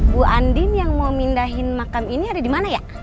bu andin yang mau pindahin makam ini ada dimana ya